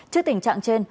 trước tình trạng trên